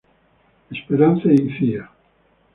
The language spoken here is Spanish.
Esperanza y Cía.